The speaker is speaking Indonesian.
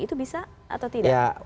itu bisa atau tidak